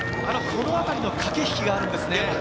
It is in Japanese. このあたりの駆け引きがあるんですね。